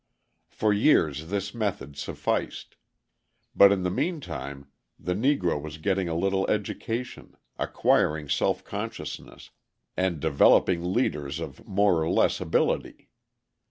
For years this method sufficed; but in the meantime the Negro was getting a little education, acquiring self consciousness, and developing leaders of more or less ability.